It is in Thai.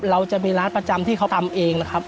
เราจะมีร้านประจำที่เขาทำเองนะครับ